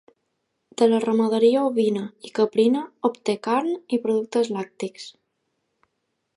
De la ramaderia ovina i caprina obté carn i productes làctics.